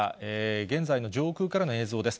現在の上空からの映像です。